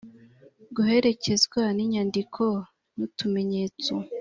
guherekezwa n inyandiko nutumenyetso